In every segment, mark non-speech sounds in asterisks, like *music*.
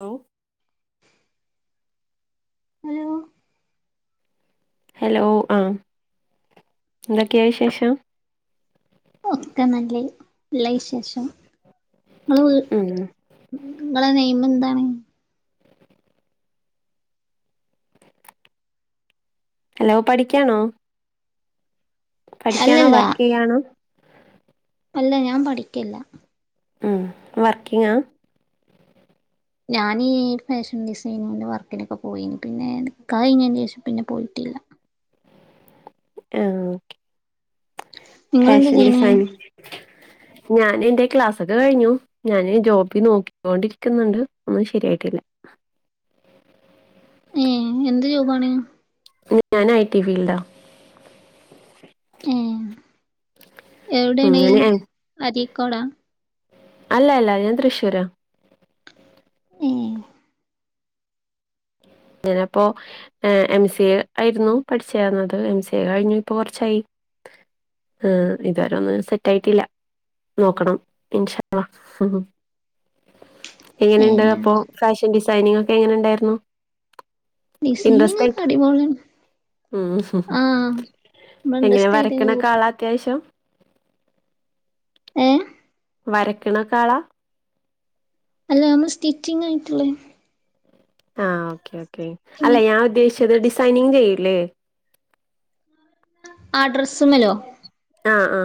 Hello hello hello ആ എന്തൊക്കെയാ വിശേഷം നല്ലല്ല വിശേഷം ഉം നിങ്ങളെ നെയമം എന്താണ് ഹലോ പഠിക്കാണോ പഠിക്കണോ അല്ലല്ല വർക്ക് ചെയ്യാണോ അല്ല ഞാൻ പഠിക്കില്ല ഉം വർക്കിംഗാ ഞാനീ ഫാഷൻ ഡിസൈനിങ്ങന്റെ വർക്കിനൊക്കെ പോയിന് പിന്നെ കഴിഞ്ഞതിന് ശേഷം പിന്നെ പോയിട്ടില്ല *unintelligible* ആഹ ഓകെ നിങ്ങളെന്താ ഫാഷൻ ചെയ്യണേ ഡിസൈനി ഞൻ എന്റെ ക്ലാസ്ക്കെ കഴിഞ്ഞു ഞാന് ജോബി നോക്കിക്കോണ്ടിരിക്കുന്നുണ്ട് ഒന്നും ശരിയായിട്ടില്ല *inaudible* ബണ ഞാൻ ഐ ടി ഫീൽഡാ ഏ എവിടെയാണ് അങ്ങനെ അരീക്കോടാ അല്ല അല്ല ഞാൻ തൃശ്ശൂരാ ഏ ഞാനപ്പോ എം സി എ ആയിരുന്നു പഠിച്ചേർന്നത് എം സി എ കഴിഞ്ഞു ഇപ്പൊ കുറച്ചായി ആ ഇതുവരെ ഒന്നും സെറ്റ് ആയിട്ടില്ല നോക്കണം ഇൻഷ അള്ളാ ഏ എങ്ങനെയുണ്ട് അപ്പൊ ഫാഷൻ ഡിസൈനിങ് ഒക്കെ എങ്ങനെ ഉണ്ടായിരുന്നു ഡിസൈനിങ് ഒക്കെ അടി പോളിയാ ഉ നമ്മള് എങ്ങനെ ഇൻട്രസ്റ്റ് ആയിട്ടന്നെ വരക്കണക്കെ പോവും ആളാ അത്യാവശ്യം ഏ വരക്കണക്കാളാ അല്ല നമ്മ സ്റ്റിച്ചിങ് ആയിട്ടുള്ളേ ആ ഓക്കേ ഓക്കേ അല്ല പിന്നെ ഞാൻ ഉദ്ദേശിച്ചത് ഡിസൈനിങ് ചെയ്യൂല്ലേ ആ ഡ്രസ്സുമല്ലോ അ ആ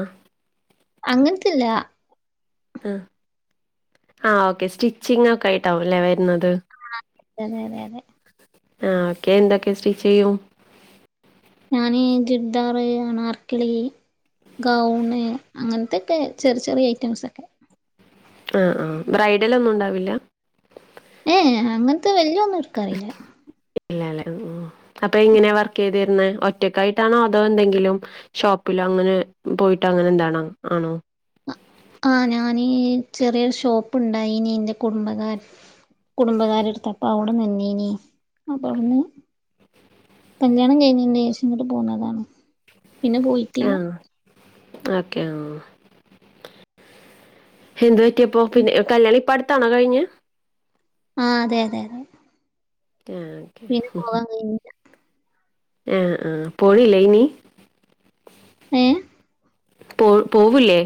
അങ്ങനത്തില്ല ആ ആ ഓക്കെ സ്റ്റിച്ചിംഗ് ഒക്കെ ആയിട്ടാവും അല്ലേ വരുന്നത് അതെ അതെ അതെ ആ ഓക്കെ എന്തൊക്കെ സ്റ്റിച്ച് ചെയ്യും ഞാന് ചുടിദാർ ആനാർക്കലി ഗൗണ് അങ്ങനത്തെ ഒക്കെ ചെറിയ ചെറിയ ഐറ്റംസ് ഒക്കെ ആ ആ ബ്രൈഡലൊന്നും ഉണ്ടാവില്ല ഏ അങ്ങനത്തെ വല്യൊന്നും എടുക്കാറില്ല ഇല്ലല്ലോ അപ്പൊ എങ്ങനെ വർക്ക് ചെയ്തിരുന്നത് ഒറ്റക്കായിട്ടാണോ അതോ എന്തെങ്കിലും ഷോപ്പില അങ്ങനെ പോയിട്ട് അങ്ങനെ എന്താണ് ആണോ ആ ഞാനീ ചെറിയൊരു ഷോപ്പുണ്ടായി ഇനി എന്റെ കുടുംബകാരൻ കുടുംബകാരടുത്തപ്പ അവിടെ നിന്നീനി അപ്പ അവിടന്ന് കല്യാണം കഴിഞ്ഞതിൻ്റെ ശേഷം ഇങ്ങോട്ട് പോന്നതാണ് പിന്നെ പോയിട്ടില്ല ആഹ് ഓക്കെ എതു പറ്റിയപ്പോ പിന്നെ കല്യാണം ഇപ്പ അടുത്താണോ കഴിഞ്ഞത് ആ അതെ അതെ അതെ ആഹ് ഓക്കെ പിന്നെ പോവാൻ കഴിഞ്ഞില്ല ആ ആ പോണില്ലേ നീ ഏ പോ പോവില്ലേ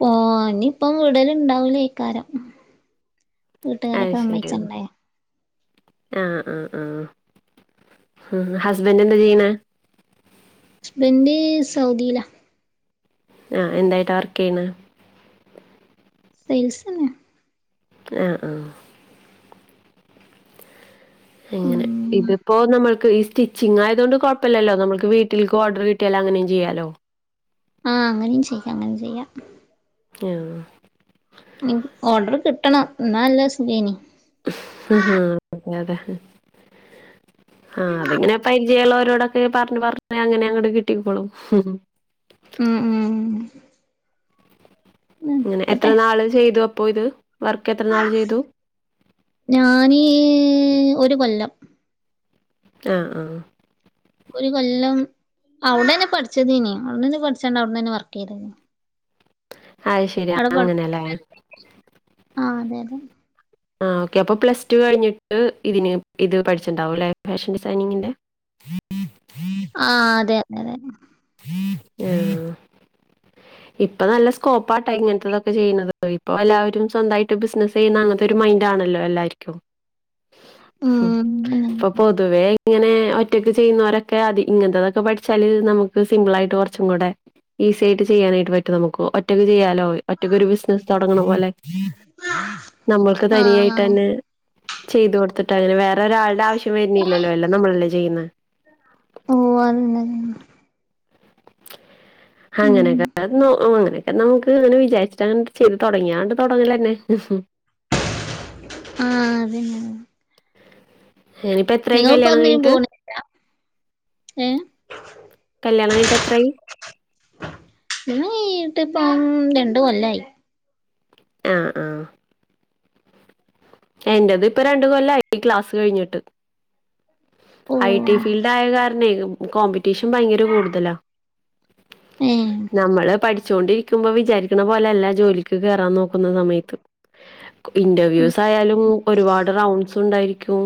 പോവാൻ ഇനിയിപ്പ വിടലുണ്ടാവില്ലേയ്ക്കാരം വീട്ടുകാരൊക്കെ സമ്മയിച്ചണ്ടേ അ ആ ആ ഹസ്ബൻറ് എന്താ ചെയ്യണ് ഹസ്‌ബൻ്റ് സൗദിയിലാ ആ എന്തായിട്ടാ വർക്ക് ചെയ്യണ് സെയിൽസ് തന്നെ ആ ആ എങ്ങനെ ഉം ഇതിപ്പോ നമ്മൾ ഈ സ്റ്റിച്ചിങ് ആയതു കൊണ്ട് കൊഴപ്പില്ലല്ലോ നമുക്ക് വീട്ടിൽക്ക് ഓർഡർ കിട്ടിയാലും അങ്ങനെയും ചെയ്യാലോ ആ അങ്ങനെയും ചെയ്യാം അങ്ങനെ ചെയ്യാം ആഹ് ഓഡർ കിട്ടണം എന്നാല്ലേ സുകെയ്നി ആ അതെ അതെ ആ അതങ്ങനെപ്പരിചയ- രോടൊക്കെ പറഞ്ഞ് പറഞ്ഞ് അങ്ങനെ അങ്ങോട്ട് കിട്ടിക്കോളും ഉം *inaudible* ഉം അങ്ങനെ എത്രനാള് ചെയ്തു അപ്പോ ഇത് വർക്ക് എത്ര നാള് ചെയ്തു ഞാനി ഒരുകൊല്ലം ആഹ് ആഹ് ഒരുകൊല്ലം അവിടെന്നെ പഠിച്ചതേനി അവിടന്നെ പഠിച്ചണ്ട് അവിടന്നെ വർക്ക് ചെയ്താരുന്നു അയ്ശെരി അങ്ങനല്ലേ ആഹ് അതെ അതെ ആ ഓക്കെ അപ്പൊ പ്ലസ് ടു കഴിഞ്ഞിട്ട് ഇതിന് ഇത് പഠിച്ചിട്ടുണ്ടാവുല്ലെ ഫാഷൻ ഡിസൈനിങ്ങിന്റെ ആഹ് അതെ അങ്ങനന്നെ ഉം ഇപ്പൊ നല്ല സ്കോപ്പാട്ടാ ഇങ്ങനത്തെതൊക്കെ ചെയ്യ്ണത് ഇപ്പൊ എല്ലാവരും സ്വന്തായിട്ട് ബിസിനസ് ചെയ്യുന്ന അങ്ങനത്തൊരു മൈ മൈൻറ്റാണല്ലോ എല്ലാര്ക്കും മു ഉം പിന്നെ ഇപ്പപൊതുവെ ഇങ്ങനെ ഒറ്റക്ക് ചെയ്യുന്നോരൊക്കെ അത് ഇങ്ങനത്തെതൊക്കെപഠിച്ചാല് നമുക്ക് സിമ്പിളായിട്ട് കുറച്ചുകൂടെ ഈസിയായിട്ട് ചെയ്യാനായിട്ട് പറ്റും നമുക്ക് ഒറ്റയ്ക്ക് ചെയ്യാ ല്ലോ ഒറ്റക്കൊരു ബിസിനസ്സ് തൊടങ്ങണപോലെ നമ്മൾക്ക് ആഹ് തനിയായിടതാന്നെ ചെയ്ത്കൊടുത്തിട്ട് അങ്ങനെ വേറെ ഒരാളുടാവശ്യം വരുന്നില്ലല്ലോ എല്ലാം നമ്മളല്ലേ ചെയ്യുന്നെ ഓഹ് അതന്നെ അതന്നെ ഉം അങ്ങനെക്കാർന്നു അങ്ങനെ നമുക്ക് അങ്ങനെ വിചാരിച്ചങ്ങ്ണ്ട് ചെയ്ത് തുടങ്ങിയാണ്ട് തുടങ്ങലന്നെ ആഹ് അതേനെ ഇനിപ്പെത്രായി കല്യാണം കിയിഞ്ഞിട്ട് പോണില്ല ഏഹ് കല്യാണംകഴിഞ്ഞിട്ടെത്രായി അത്കയിട്ടിപ്പം രണ്ട്കൊല്ലായി ആഹ് ആഹ് എന്റെതിപ്പൊ രണ്ട്കൊല്ലയി ക്ലാസ് കഴിഞ്ഞിട്ട് ഐ. ടി. ഓഹ് ഫീൽഡായ കാരണേ കോമ്പറ്റീഷൻ ഭയങ്കര കൂടുതലാ ഏഹ് നമ്മള് പഠിച്ചോണ്ടിരിക്കുമ്പോ വിചാരിക്കണപോലെല്ല ജോലിക്ക് കേറാന്നോക്കുന്ന സമയത്ത് ഇന്റർവ്യൂസ് യാലും ഒരുപാട് റൗണ്ട്സുണ്ടായിരിക്കും.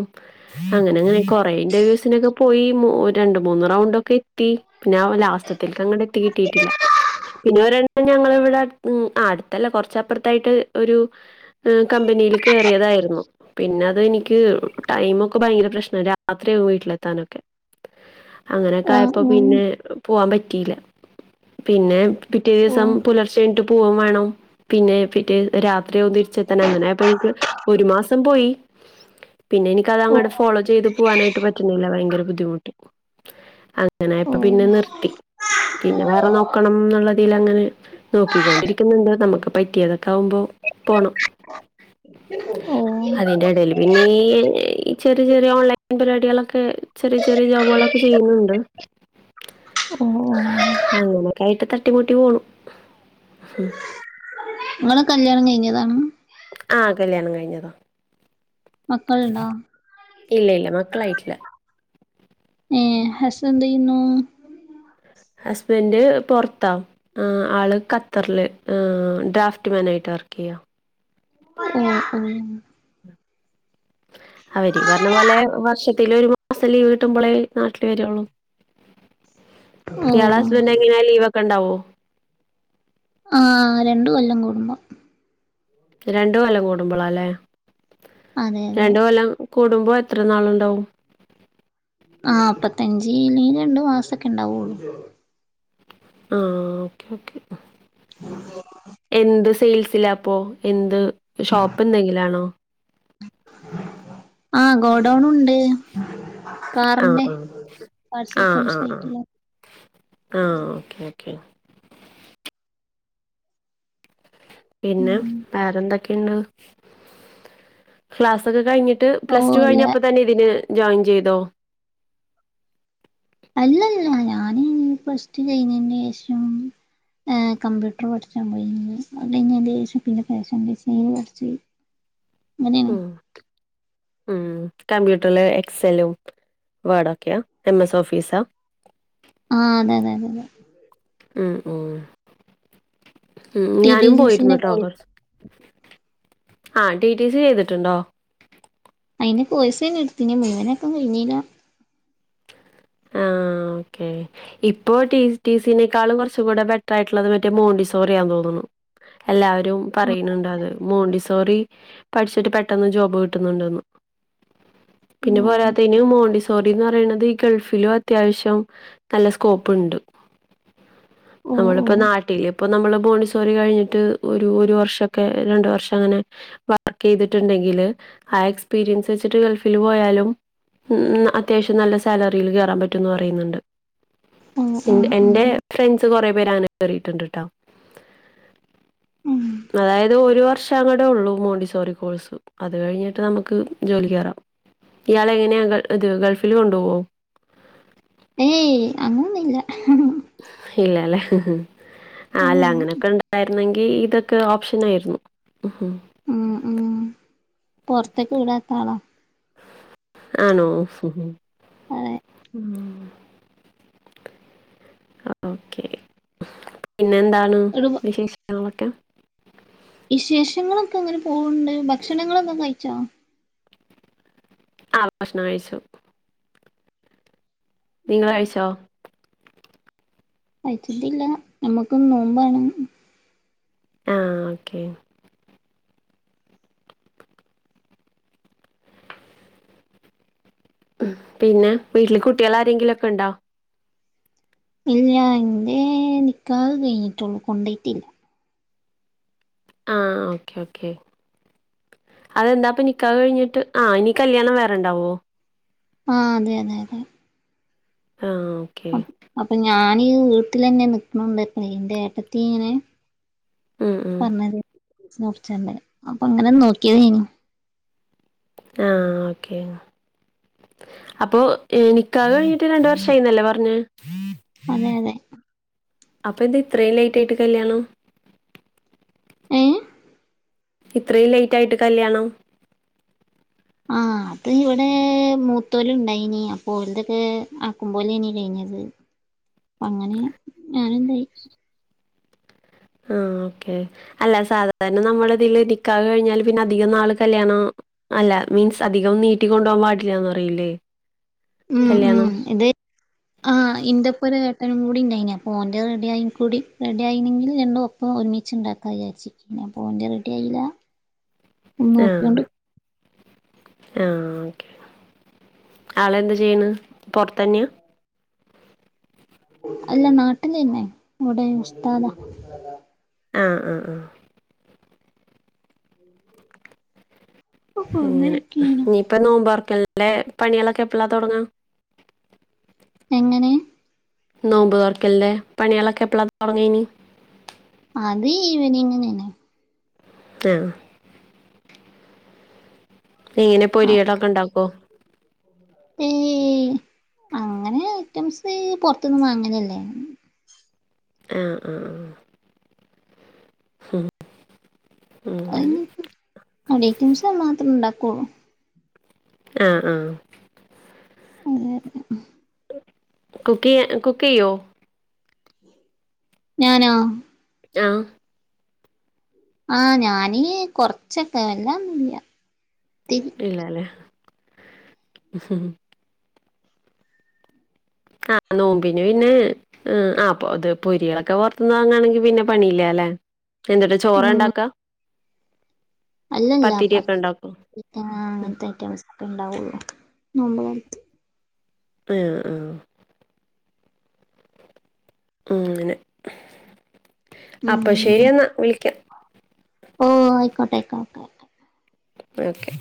അങ്ങനങ്ങനെ കൊറേ ഇന്റർവ്യൂസിനൊക്കെ പോയി ഓഹ് രണ്ട്മൂന്ന് റൗണ്ടൊക്കെ ത്തി പിന്നെ ഔ ലാസ്റ്റത്തിൽക്കങ്ങടെത്തി കിട്ടിയിട്ടില്ല. പിന്നെ ഒരെണ്ണം ഞങ്ങളിവിടെട് ഉം ആഹ് ‌ അട്ത്തല്ല കുറച്ചപ്പുറത്തായിട്ട് ഒരു കമ്പനിയിലിക്ക് തായിരുന്നു. പിന്നെ അത് നിക്ക് ടൈമൊക്കെ ഭയങ്കര പ്രശ്നാ. രാത്രിയാകും വീട്ടിലെത്താനൊക്കെ. ആഹ് അങ്ങനെയൊക്കായപ്പോ ആഹ് പിന്നെ പോവാൻ പറ്റിയില്ല. പിന്നെ ഓ പിറ്റേദിവസം പുലർച്ചെ എണിറ്റ് പോവും വേണം. പിന്നെ പിറ്റേ രാത്രിയാകും തിരിച്ചെത്തൻ. അങ്ങനെയായപ്പെനിക്ക് ഒരുമാസം പോയി. പിന്നെ ഓ എനിക്കതങ്ങട് ഫോളോ ചെയ്ത് പോവാനായിട്ട് പറ്റുന്നില്ല. ഭയങ്കരബുദ്ധിമുട്ട്. ഓ അങ്ങനായപ്പ പിന്നെ നിർത്തി. പിന്നെ വേറെ നോക്കണം ന്നുള്ളതില് അങ്ങനെ നോക്കിക്കൊണ്ടിരിക്കുന്നുണ്ട് നമുക്ക് പറ്റിയതൊക്കാഉമ്പോ പോണം. ഓ ഓ അതിന്റെടേല് പിന്നെ ഈ ചെറിയ റിയ ഓൺലൈൻ പരിപാടികളൊക്കെ ചെറിയചെറിയ ജോബുകളൊക്കെ ചെയ്യുന്നുണ്ട്. ഓ അങ്ങനൊക്കായിട്ട് ത ട്ടിമുട്ടി പോണു. ങ്ങളെ കല്യാണംകഴിഞ്ഞതാണ്? ആഹ് കല്യാണംകഴിഞ്ഞതാ. മക്കള്ണ്ടാ? ഇല്ല-ഇല്ല മക്കളായിട്ടില്ല ഏ ഹസ്സെന്തെയ്യുന്നു ഹസ്ബന്റ് പൊറത്താ ആള് ഖത്തറില് ഡ്രാഫ്റ്റ്മാനേജർ വർക്കെയ്യാ ആ-ആ അവര് പറഞ്ഞ പോലെ വർഷ ത്തിലൊ ഒരുമാസം ലീവ് കിട്ടുമ്പോളേ നാട്ടിൽ വരുള്ളൂ ഓ ഓ യാളെ ഹസ്ബൻഡ എങ്ങനെ ലീവോക്കെ ഇണ്ടാവോ ആ രണ്ടു കൊല്ലം കൂടുമ്പോം രണ്ടു കൊല്ലം കൂടുമ്പോളാല്ലേ അതെ അതെ കൂടുമ്പോൾ എത്ര നാളുണ്ടാവും ആ നൽപ്പത്തഞ്ച് ഇല്ലെകിൽ രണ്ടു മാസൊക്കെ ഇണ്ടാവുള്ളു ആ ഓക്കെ ഓക്കെ എന്ത് സെയിൽസില അപ്പൊ എന്ത് ഷോപ്പെന്തെങ്കിലുമാണോ ആ ഗോഡൗണുണ്ട് ആഹ് കാറിന്റെ ആഹ്. *unintelligible* ആ ഓക്കെ ഓക്കെ പിന്നെ ഉം വേറെന്തൊക്കെയുണ്ട് ക്ലാസ്സൊക്കെ കഴിഞ്ഞി ട്ട് ഓ പ്ലസ് ടു അല്ല കഴിഞ്ഞപ്പോ തന്നെ ഇതിന് ജോയിൻ ചെയ്തോ അല്ലല്ല ഞാന് പ്ലസ്‌ ടു കഴിഞ്ഞതിനുശേഷം കമ്പ്യൂർ പഠിച്ചാൻ പോയി അത് കഴിഞ്ഞതിനുശേഷം പിന്നെ ഫാഷൻ ഡിസൈൻ പഠിച്ചു ഉം ഉം കമ്പ്യൂട്ടറില എക്സെല്ലും വേർഡൊക്കെയോ എം എസ് ഓഫീസാ ആ അതെ അതെ അതെ അതെ ഉം ഉം ഉം ടി ടി ഞാനും സി സിന്റെ പോയിരുന്നട്ടോ കോഴ്സ് കൊറച്ചൊക്കെ ആ ടി ടി സി ചെയ്തിട്ടുണ്ടോ അയിന്റെ കോഴ്സ് എടുത്തിന് മുഴുവനാക്കാൻ കഴഞ്ഞീല്ല ആ ആ ഒക്കെ ഇപ്പൊ ടിസിനേക്കാൾ കുറച്ച് കൂടെ ബെറ്റർ ആയിട്ടുള്ളത് മറ്റേ മോണ്ടിസോറിയാൻ തോന്നുന്നു എല്ലാവരും ആ, പറയുന്നുണ്ട് അത് മോണ്ടി സോറി പഠിച്ചിട്ട് പെട്ടെന്ന് ജോബ് കിട്ടുന്നുണ്ടന്ന് പിന്നെ ഓ പോരാത്തതിന് മോണ്ടി സോറിന്ന് പറയുന്നത് ഈ ഗൾഫ് ലും അത്യാവശ്യം നല്ല സ്കോപ്പുണ്ട് ഓ ഓ ഇപ്പൊ നമ്മള് മോണ്ടിസോറി കഴിഞ്ഞിട്ട് ഒരു ഒരു വർഷോക്കെ രണ്ട് വർഷം അങ്ങനെ വർക്ക് ചെയ്തിട്ടുണ്ടെങ്കിൽ ഉണ്ടെങ്കിൽ ആ എക്സ്പീരിയൻസ് വെച്ചിട്ട് ഗൾഫിൽ പോയാലും അത്യാവശ്യം നല്ല സാലറി കയറാൻ പറ്റുമെന്ന് പറയുന്നുണ്ട് ഓ ആ ആ ന്റെ എന്റെ ഫ്രണ്ട്‌സ് കുറേപേർ അങ്ങനെ കയറിയിട്ടുണ്ട്ട്ടോ ഉം. അതായത് ഒരു വർഷം അങ്ങാട്ടൊള്ളു മോണ്ടിസോറി കോഴ്സ് അത് കഴിഞ്ഞിട്ട് നമുക്ക് ജോലി കയറാം ഇയാൾ എങ്ങനെയാ ഇത് ഗൾഫിൽ കൊണ്ടുപോവോ ഏയ് അങ്ങനെന്നുള്ള ഇല്ലല്ലേ ആ അല്ല ഏയ്. അങ്ങനെയൊക്കെ ഉണ്ടായിരുന്നെങ്കിൽ ഇതൊക്കെ ഓപ്ഷൻ ആയിരുന്നു മ്മ്ഹ്ഹ് *inaudible* പുറത്തേക്ക് വിടാത്താളാ ആണോ അതെ ഓക്കെ പിന്നെ എന്താണ് ഒരു ബ- വിശേഷങ്ങളൊക്കെ വിശേഷങ്ങളൊക്കെ അങ്ങനെ പോവണ്ട് ഭക്ഷണങ്ങളൊക്കെ കഴിച്ചോ ആ ഭക്ഷണം കഴിച്ചു നിങ്ങൾ കഴിച്ചോ കഴിച്ചിട്ടില്ല നമ്മുക്കിന്ന് നോമ്പാണ് ആ ഓക്കെ ഉ പിന്നെ വീട്ടില് കുട്ടികൾ ആരെങ്കിലുമൊക്കെ ഉണ്ടോ ഇല്ല എന്റെ നിക്കാഹ് കഴിഞ്ഞിട്ടുള്ളൂ കൊണ്ടയിട്ടില്ല ആ ഓക്കെ ഓക്കെ അതെന്താപ്പൊ നിക്കാ കഴിഞ്ഞിട്ട് ആഹ് ഇനി കല്യാണം വേറെണ്ടാവോ ആ അതെ അതെ അതെ ആ ഓക്കെ അപ്പൊ ഞാനീ വീട്ടിൽ തന്നെ നിക്കുന്നുണ്ട്പ്പ എന്റെ ഏട്ടത്തി ഇങ്ങനെ ഉ ഉ അപ്പ അങ്ങനെ നോക്കിയത്നു ആഹഓക്കെ അപ്പൊ നിക്കാവ് കഴിഞ്ഞിട്ട് രണ്ട വർഷം ആയിന്നല്ലേ പറഞ്ഞഞ് അതെ അതെ അപ്പൊ എന്താ ഇത്രയും ലേറ്റ് ആയിട്ട് കല്യാണോ ഏ ഇത്രയും ലേറ്റ് ആയിട്ട് കല്യാണം ആഹ് അത് ഇവിടെ മൂത്തോല ഉണ്ടായിനി അപ്പലതൊക്കെ ആക്കും പോലെ ഇനി കഴിഞ്ഞത് അപ്പ അങ്ങനെ ഞാന എന്തായി ആ ഓക്കെ അല്ല സാധാരണ നമ്മളതില് നിക്ക കഴിഞ്ഞാല് പിന്നെ അധികം നാള് കല്യാണ അല്ല മീൻസ് അധികം നീട്ടി കൊണ്ടുപോകാൻ പാടില്ലന്ന് അറിയില്ലേ ഉം ഉ ഇത് ആ ഇന്റെ പോ ഒത്തനും കൂടി ഉണ്ടായിരുന്നു അപ്പോൾഓൻറെഡിയയിും കൂടി റെഡിയ ആയിന്നെങ്കിൽ രണ്ടും ഒപ്പം ഒരുമിച്ച് ഉണ്ടാക്കാ വിച്ചിരിക്കുന്നത് ഞാ പോന് റെഡി ആയില്ല ഒന്ന് നോക്കിയോണ്ട് ആ ഓെ ആളെന്താ ചെയ്യണ് പൊറത്തന്നെയ അല്ല നാട്ടന്ന് തന്നെ ഇവിടെ ഉസ്താതാ ആ ആ ആ ഉ *unintelligible* ഇങ്ങനെ നീ ഇപ്പ നോമ്പാർക്ക നല്ലെ പണികളൊക്കെ എപ്പഴാ തുടങ്ങാ എങ്ങനെ നോമ്പ് തർക്കലേ പണികളൊക്കെ എപ്പഴാ തുടങ്ങനി അത് ഈവനിങ്നെ ആ ഇങ്ങനെ പൊരികളൊക്കെ ഉണ്ടാക്കോ ഏ അങ്ങനെ ഐറ്റംസ് പുറത്തന്ന് വാങ്ങനല്ലേ ആ ആ ആ ഹഹ അടക്ക നിസം മാത്രം ഇണ്ടാക്കള്ളൂ ആ ആ അത അതെ കുക്കി കുക്ക് ചെയ്യോ ഞാനാ ആ ആഹഞാന് കൊറച്ചൊക്കെ എല്ലാം ഇ ഇല്ലല്ലേ ആഹ് നോമ്പിന് പിന്നെ ആത് പൊരികളൊക്കെ പുറത്തുന്ന് താങ്ങാണെങ്കി പിന്നെ പണിയില്ലല്ല എന്തട്ടാ ചോറ ഉം ഉണ്ടാക്ക അല്ലല്ല പ അങ്ങനത്തെ ഐറ്റംസ് ഒക്കെ ഇണ്ടാവുള്ളു നമ്മ ഏ ആ ഉം അങ്ങനെ അപ്പ ശരിയെന്നാ വിളിക്കാം ഓ ആയിക്കോട്ടെ ആയിക്കോട്ടെ ആയിക്കോട്ടെ ഓക്കെ